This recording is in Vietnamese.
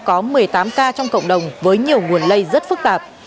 có một mươi tám ca trong cộng đồng với nhiều nguồn lây rất phức tạp